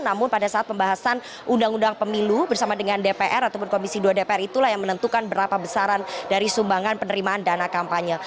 namun pada saat pembahasan undang undang pemilu bersama dengan dpr ataupun komisi dua dpr itulah yang menentukan berapa besaran dari sumbangan penerimaan dana kampanye